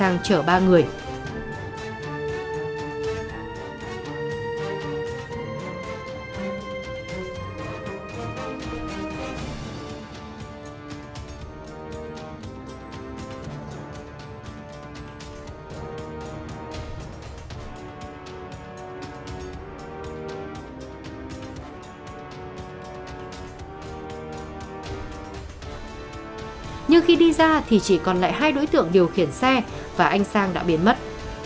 nhưng khi đi ra thì chỉ còn lại hai đối tượng điều khiển xe và anh sang đã biến mất